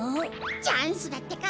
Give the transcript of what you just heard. チャンスだってか。